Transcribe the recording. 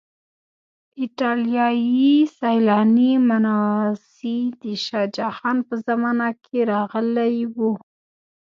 ایټالیایی سیلانی منوسي د شاه جهان په زمانه کې راغلی و.